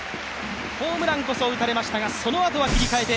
ホームランこそ打たれましたがその後は切り替えて